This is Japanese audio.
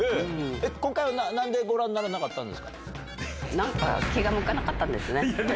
今回はなんでご覧にならなかなんか気が向かなかったんですね。